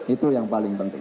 itu yang paling penting